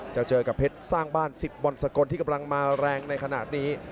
จะเจอกับเผ็ดสร้างบ้าน๑๐บรรษกดที่กำลังมาแรงในขนาดนี้